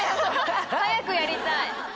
早くやりたい！